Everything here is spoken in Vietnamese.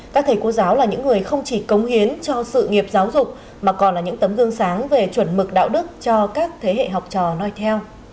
các thầy cô giáo là những người không chỉ cống hiến cho sự nghiệp giáo dục mà còn là những tấm gương sáng về chuẩn mực đạo đức cho các thế hệ học trò nòi theo